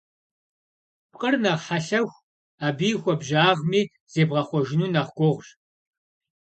Пкъыр нэхъ хьэлъэху, абы и хуабжьагъми зебгъэхъуэжыну нэхъ гугъущ.